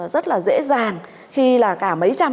rất là dễ dàng khi là cả mấy trăm